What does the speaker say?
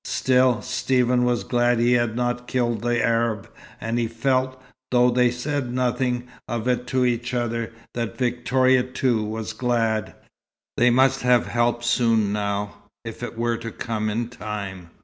Still, Stephen was glad he had not killed the Arab, and he felt, though they said nothing of it to each other, that Victoria, too, was glad. They must have help soon now, if it were to come in time.